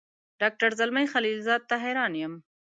ډاکټر زلمي خلیلزاد ته حیران یم.